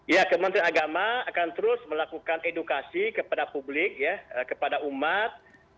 ya kementerian agama akan terus melakukan edukasi kepada publik ya kepada umat